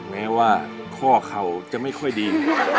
แม้ว่าข้อเข่าจะไม่ค่อยดี